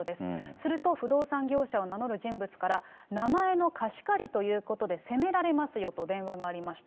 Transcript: すると不動産業者を名乗る人物から、名前の貸し借りということで、責められますよと電話がありました。